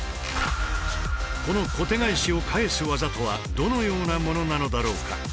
この小手返しを返す技とはどのようなものなのだろうか。